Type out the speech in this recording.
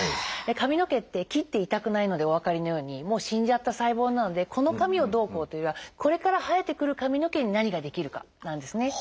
髪の毛って切って痛くないのでお分かりのようにもう死んじゃった細胞なのでこの髪をどうこうというよりはこれから生えてくる髪の毛に何ができるかなんですね。